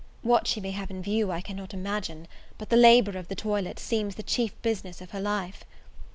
What she may have in view, I cannot imagine, but the labour of the toilette seems the chief business of her life.